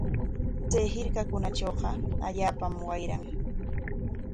Chay hirkatrawqa allaapam wayran.